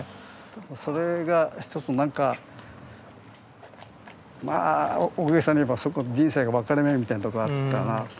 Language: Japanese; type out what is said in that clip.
それが一つ何かまあ大げさに言えばそこ人生の分かれ目みたいなとこあったな。